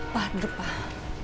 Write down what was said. pak duduk pak